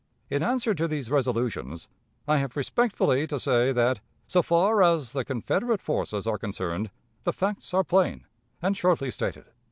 In answer to these resolutions, I have respectfully to say that, so far as the Confederate forces are concerned, the facts are plain, and shortly stated.